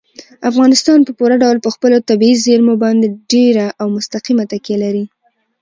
افغانستان په پوره ډول په خپلو طبیعي زیرمو باندې ډېره او مستقیمه تکیه لري.